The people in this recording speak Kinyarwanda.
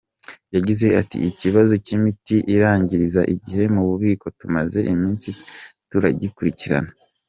Yagize ati “Ikibazo cy’imiti irangiriza igihe mu bubiko tumaze iminsi tugikurikirana.